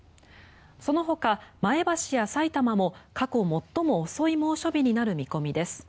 そのほか前橋やさいたまも過去最も遅い猛暑日になる見込みです。